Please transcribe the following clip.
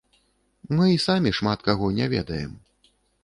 Мы і самі шмат каго не ведаем.